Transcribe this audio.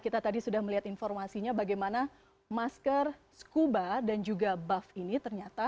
kita tadi sudah melihat informasinya bagaimana masker scuba dan juga buff ini ternyata